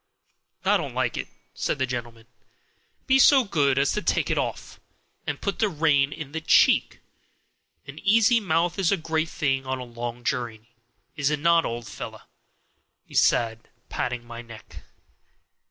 "I don't like it," said the gentleman; "be so good as to take it off, and put the rein in at the cheek. An easy mouth is a great thing on a long journey, is it not, old fellow?" he said, patting my neck.